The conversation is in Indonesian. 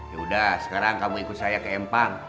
yaudah sekarang kamu ikut saya ke empang